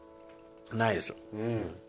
ないです。